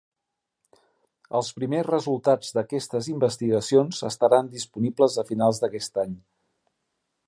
Els primers resultats d'aquestes investigacions estaran disponibles a finals d'aquest any.